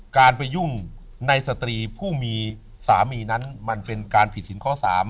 การไปยุ่งในสตรีผู้มีสามีนั้นมันเป็นการผิดถึงข้อ๓